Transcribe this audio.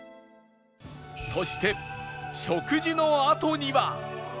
そして食事のあとには